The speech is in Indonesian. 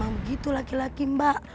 begitu laki laki mbak